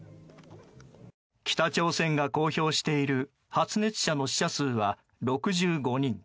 北朝鮮が公表している発熱者の死者数は６５人。